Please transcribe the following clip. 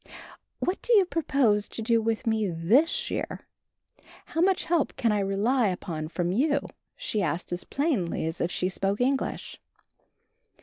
"What do you propose to do for me this year? How much help can I rely upon from you?" she asked as plainly as if she spoke English.